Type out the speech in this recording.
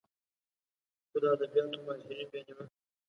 خو د ادبياتو ماهرين بيا نيوکه کوي